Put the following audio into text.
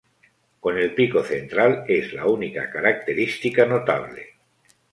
Con el pico central, es la única característica notable.